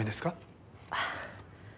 ああ。